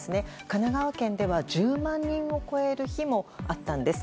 神奈川県では１０万人を超える日もあったんです。